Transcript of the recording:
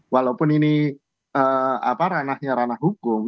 walaupun ini ranahnya ranah hukum